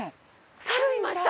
サルいました！